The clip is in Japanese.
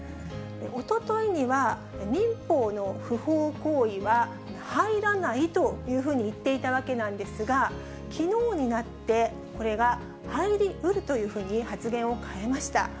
おとといには、民法の不法行為は入らないというふうに言っていたわけなんですが、きのうになって、これが入りうるというふうに発言を変えました。